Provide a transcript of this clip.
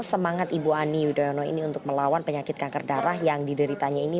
semangat ibu ani yudhoyono ini untuk melawan penyakit kanker darah yang dideritanya ini